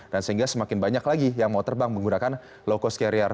dan sehingga semakin banyak lagi yang mau terbang menggunakan low cost carrier